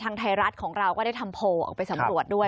ไทยรัฐของเราก็ได้ทำโพลออกไปสำรวจด้วย